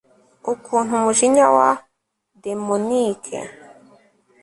Ukuntu umujinya wa daemonic